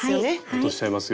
落としちゃいます。